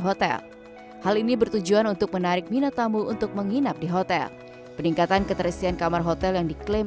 hotel hal ini bertujuan untuk menarik minat tamu untuk menginap di hotel peningkatan keterisian kamar hotel yang diklaim